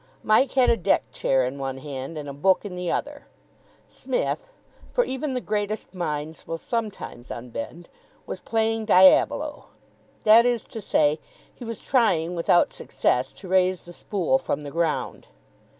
Mike had a deck chair in one hand and a book in the other. Psmith for even the greatest minds will sometimes unbend was playing diabolo. That is to say, he was trying without success to raise the spool from the ground.